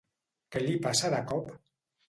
Què li passa de cop?